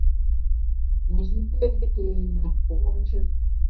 Nji pé té ne nku’njù.